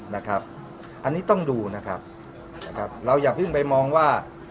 นะครับอันนี้ต้องดูนะครับนะครับเราอย่าเพิ่งไปมองว่า